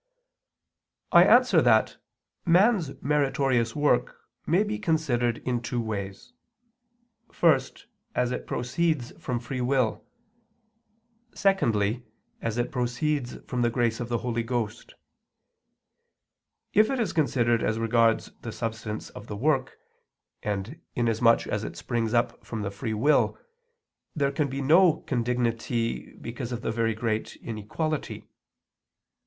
I answer that, Man's meritorious work may be considered in two ways: first, as it proceeds from free will; secondly, as it proceeds from the grace of the Holy Ghost. If it is considered as regards the substance of the work, and inasmuch as it springs from the free will, there can be no condignity because of the very great inequality.